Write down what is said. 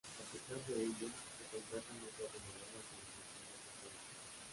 A pesar de ello, su contrato no fue renovado al finalizar la temporada.